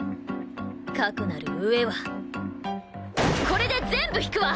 かくなる上はこれで全部引くわ！